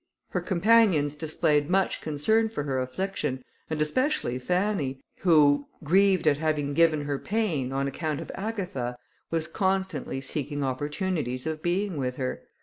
Her companions displayed much concern for her affliction, and especially Fanny, who, grieved at having given her pain, on account of Agatha, was constantly seeking opportunities of being with her.